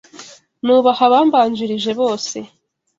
Nubaha abambanjirije bose.